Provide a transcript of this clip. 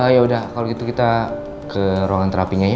yaudah kalau gitu kita ke ruangan terapinya ya